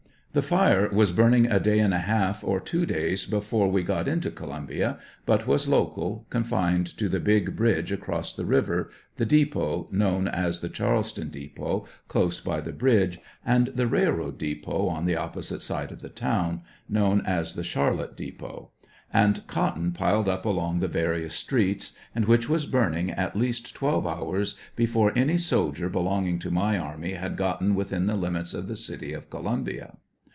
The fire was burning a day and a half or two days before we got into Columbia, but was local, confined to the big bridge across the river, the depot, known as the Charleston depot, close by the bridge, ard the railroad depot on the opposite side of the town, known as the Charlotte depot, and cotton piled up along the various streets, and which was burning at least twelve hours before any soldier belonging to my army had gotten within the limits of the city of Columbia.